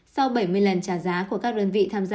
sau bảy mươi lần trả giá của các đơn vị tham gia